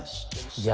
いや